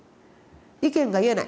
意見が言えない。